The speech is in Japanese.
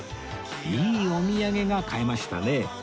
いいお土産が買えましたね